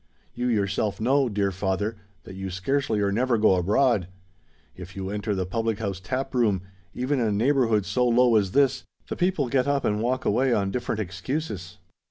You yourself know, dear father, that you scarcely or never go abroad; if you enter the public house tap room, even in a neighbourhood so low as this, the people get up and walk away on different excuses.